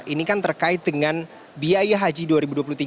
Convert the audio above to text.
ini kan terkait dengan biaya haji dua ribu dua puluh tiga ini menjadi penting